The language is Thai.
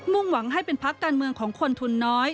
่งหวังให้เป็นพักการเมืองของคนทุนน้อย